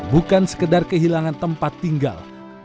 bukan sekedar kehilangan tempat tinggal